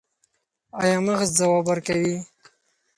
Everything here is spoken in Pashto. ایا مغز ځواب ورکوي؟